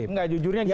enggak jujurnya gini